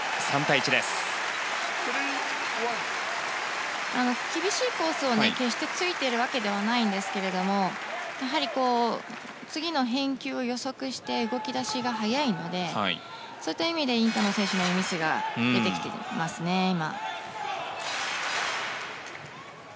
決して厳しいコースを突いているわけではないんですがやはり、次の返球を予測して動き出しが早いのでそういった意味でインタノン選手のミスが出てきていますね、今。